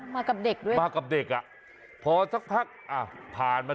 มากับเด็กด้วยมากับเด็กอ่ะพอสักพักอ่ะผ่านมา